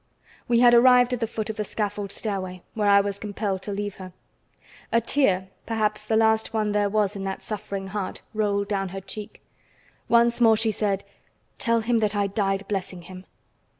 We had arrived at the foot of the scaffold stairway, where I was compelled to leave her. A tear, perhaps the last one there was in that suffering heart, rolled down her cheek. Once more she said: "Tell him that I died blessing him."